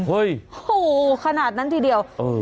เฮ้ยโอ้โหขนาดนั้นทีเดียวเออ